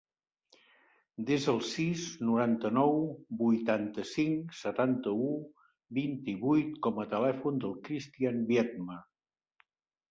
Desa el sis, noranta-nou, vuitanta-cinc, setanta-u, vint-i-vuit com a telèfon del Cristián Viedma.